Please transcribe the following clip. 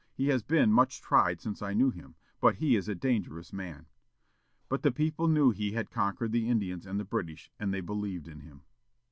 He has been much tried since I knew him, but he is a dangerous man." But the people knew he had conquered the Indians and the British, and they believed in him.